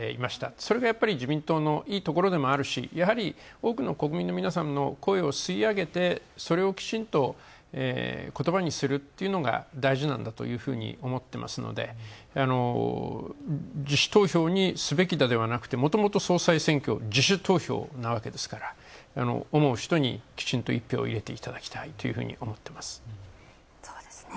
それが自民党のいいところでもあるしやはり、多くの国民の皆様の声を吸い上げてそれをきちんとことばにするっていうのが大事なんだというふうに思ってますので、自主投票にすべきだ、ではなくてもともと、総裁選挙、自主投票なわけですから思う人にきちんと１票を入れていただきたいというふうに思ってます。